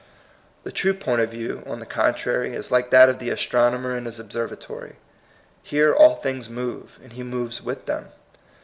The true point of view, on the con trary, is like that of the astronomer in his observatory. Here all things move, and he moves with them.